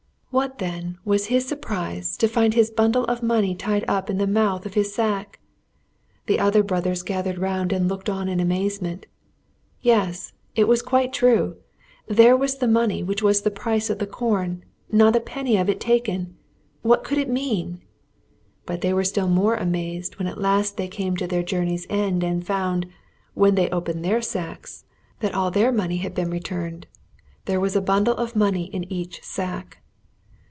What, then, was his surprise to find his bundle of money tied up in the mouth of his sack! The other brothers gathered round and looked on in amazement. Yes, it was quite true. There was the money which was the price of the corn not a penny of it taken! What could it mean? But they were still more amazed when at last they came to their journey's end and found, when they opened their sacks, that all their money had been returned. There was a bundle of money in each sack!